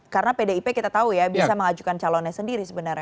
karena pdip kita tahu ya bisa mengajukan calonnya sendiri sebenarnya